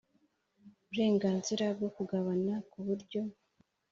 Uburenganzira bwo kugabana ku buryo